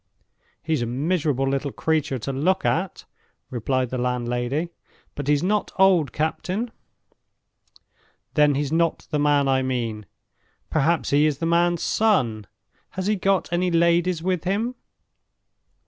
"He's a miserable little creature to look at," replied the landlady; "but he's not old, captain." "Then he's not the man I mean. Perhaps he is the man's son? Has he got any ladies with him?"